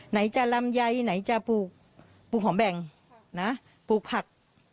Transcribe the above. ไหนจะลำไยไหนจะปลูกหอมแบ่งนะปลูกผัก